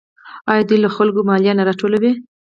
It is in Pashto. آیا دوی له خلکو مالیه نه راټولوي؟